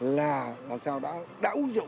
làm sao đã uống rượu